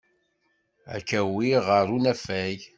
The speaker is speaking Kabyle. Ad k-awiɣ ɣer unafag.